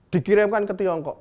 dikirimkan ke tiongkok